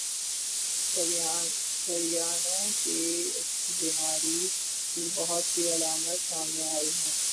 شریانوں کی اس بیماری کی بہت سی علامات سامنے آئی ہیں